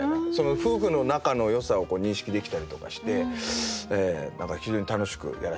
夫婦の仲のよさを認識できたりとかして何か非常に楽しくやらせて頂きました。